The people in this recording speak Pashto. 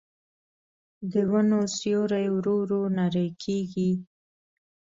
د ونو سیوري ورو ورو نری کېږي